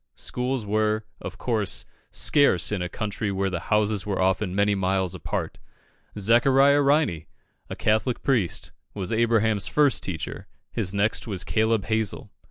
Schools were, of course, scarce in a country where the houses are often many miles apart. Zachariah Riney, a Catholic priest, was Abraham's first teacher; his next was Caleb Hazel.